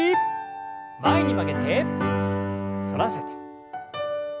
前に曲げて反らせて。